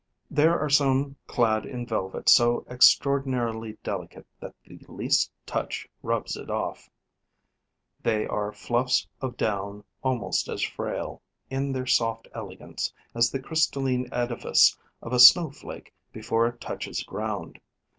There are some clad in velvet so extraordinarily delicate that the least touch rubs it off. They are fluffs of down almost as frail, in their soft elegance, as the crystalline edifice of a snowflake before it touches ground.